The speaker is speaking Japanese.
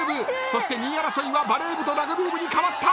そして２位争いはバレー部とラグビー部にかわった！